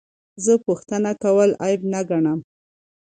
زه پوښتنه کول عیب نه ګڼم.